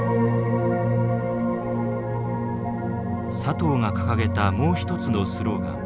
佐藤が掲げたもう一つのスローガン